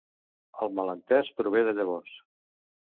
El malentès prové de llavors.